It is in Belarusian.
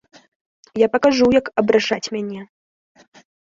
Я пакажу, як абражаць мяне!